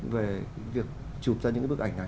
về việc chụp ra những bức ảnh này